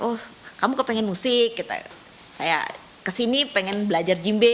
oh kamu kepengen musik saya kesini pengen belajar jimbe